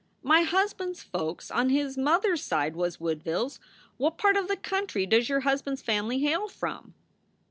My husband s folks on his mother s side was Woodvilles. What part of the country does your husband s family hail from?"